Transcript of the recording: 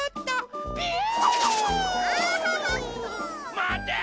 まて！